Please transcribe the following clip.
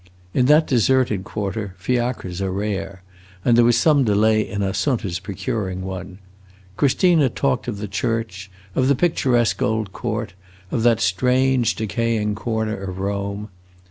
In that deserted quarter fiacres are rare, and there was some delay in Assunta's procuring one. Christina talked of the church, of the picturesque old court, of that strange, decaying corner of Rome.